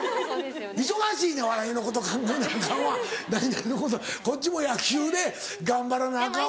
忙しいねんお笑いのこと考えなアカンわ何々のことこっちも野球で頑張らなアカン。